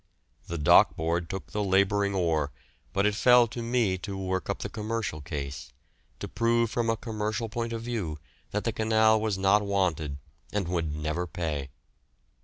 The Dock Board took the labouring oar, but it fell to me to work up the commercial case, to prove from a commercial point of view that the canal was not wanted, and would never pay.